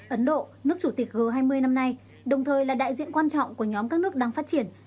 ấn độ nước chủ tịch g hai mươi năm nay đồng thời là đại diện quan trọng của nhóm các nước đang phát triển